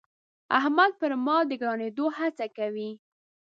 احمد پر ما د ګرانېدو هڅه کوي.